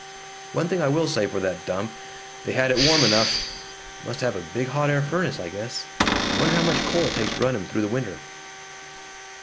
One thing I will say for that dump: they had it warm enough. Must have a big hot air furnace, I guess. Wonder how much coal it takes to run 'em through the winter?"